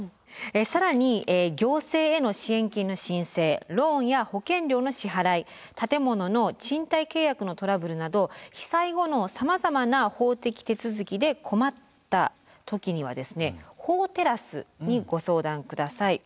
更に行政への支援金の申請ローンや保険料の支払い建物の賃貸契約のトラブルなど被災後のさまざまな法的手続きで困った時にはですね「法テラス」にご相談下さい。